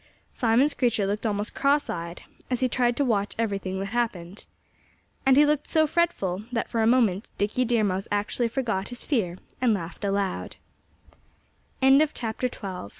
Simon Screecher looked almost crosseyed, as he tried to watch everything that happened. And he looked so fretful that for a moment Dickie Deer Mouse actually forgot his fear and lau